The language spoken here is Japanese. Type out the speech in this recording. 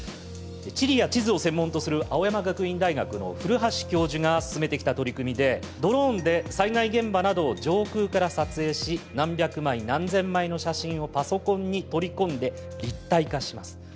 地理や地図を専門とする青山学院大学の古橋教授が進めてきた取り組みでドローンで災害現場などを上空から撮影し何百枚何千枚の写真をパソコンに取り込んで立体化します。